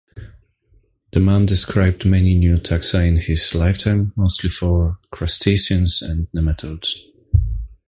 De Man described many new taxa in his lifetime, mostly for crustaceans and nematodes.